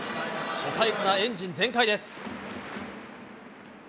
初回からエンジン全開です。